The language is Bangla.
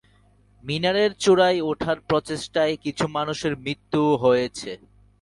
মিনারের চূড়ায় উঠার প্রচেষ্টায় কিছু মানুষের মৃত্যুও হয়েছে।